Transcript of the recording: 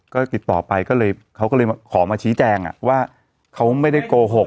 ก็ติดต่อไปก็เลยเขาก็เลยขอมาชี้แจงว่าเขาไม่ได้โกหก